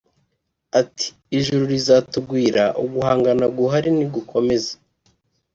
ati ijuru rizatugwira uguhangana guhar nigukomeza